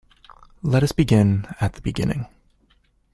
Let us begin at the beginning